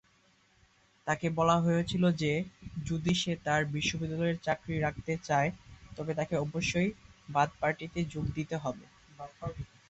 তাকে বলা হয়েছিল যে যদি সে তার বিশ্ববিদ্যালয়ের চাকরি রাখতে চায় তবে তাকে অবশ্যই বাথ পার্টিতে যোগ দিতে হবে।